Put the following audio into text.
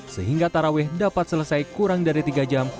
sehingga taraweh dapat selesai kurang dari tiga jam